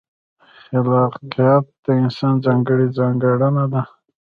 خلاقیت د انسان ځانګړې ځانګړنه ده.